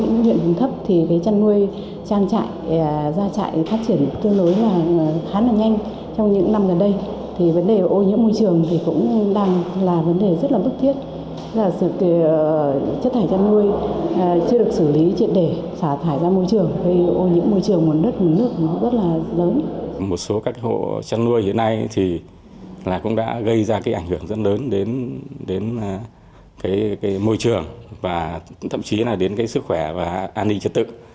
một số các hộ chân nuôi hiện nay cũng đã gây ra ảnh hưởng rất lớn đến môi trường và thậm chí đến sức khỏe và an ninh chất tự